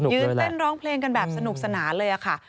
เต้นร้องเพลงกันแบบสนุกสนานเลยค่ะ